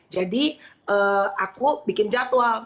jadi aku bikin jadwal